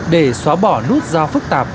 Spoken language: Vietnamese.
để xóa bỏ nút giao phức tạp